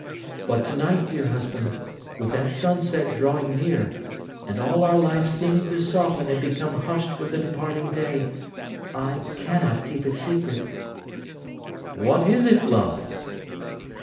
But, to night, dear husband, with that sunset drawing near, and all our life seeming to soften and become hushed with the departing day, I cannot keep it secret.' 'What is it, love?